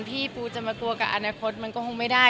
ที่ปูจะมาตัวกับอนาคตมันก็คงไม่ได้